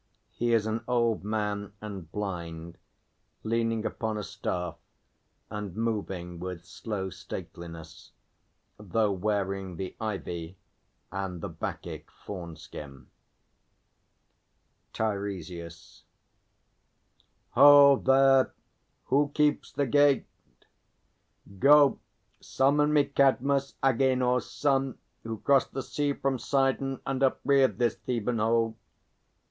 _He is an old man and blind, leaning upon a staff and moving with slow stateliness, though wearing the Ivy and the Bacchic fawn skin._ TEIRESIAS. Ho, there, who keeps the gate? Go, summon me Cadmus, Agênor's son, who crossed the sea From Sidon and upreared this Theban hold.